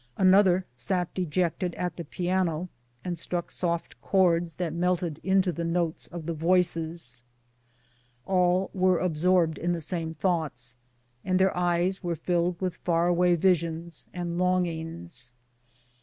Another sat dejected at the piano, and struck soft chords that melted into the notes of the voices. All were absorbed in tlie same thoughts, and their eyes were filled with far away visions and long ings.